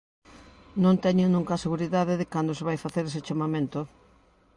Non teñen nunca a seguridade de cando se vai facer ese chamamento.